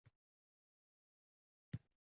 Uyog’iga aqlim yetmay qoldi…